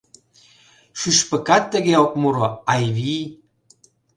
Шӱшпыкат тыге ок муро, Айвий.